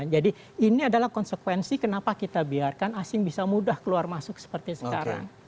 jadi ini adalah konsekuensi kenapa kita biarkan asing bisa mudah keluar masuk seperti sekarang